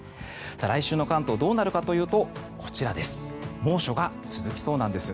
来週の関東どうなるかというと猛暑が続きそうなんです。